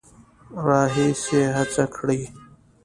راهیسې هڅه کړې